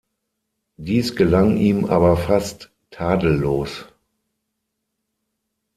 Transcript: Dies gelang ihm aber fast tadellos.